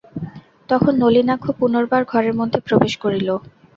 তখন নলিনাক্ষ পুনর্বার ঘরের মধ্যে প্রবেশ করিল।